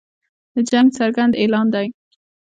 د جنګ څرګند اعلان دی.